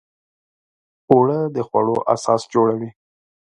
اوړه د خوړو اساس جوړوي